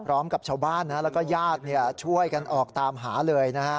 พร้อมกับชาวบ้านแล้วก็ญาติช่วยกันออกตามหาเลยนะฮะ